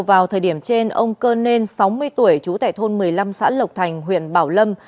vào thời điểm trên ông cơ nên sáu mươi tuổi trú tại thôn một mươi năm xã lộc thành huyện bảo lâm